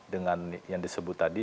dengan yang disebut tadi